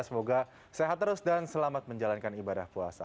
semoga sehat terus dan selamat menjalankan ibadah puasa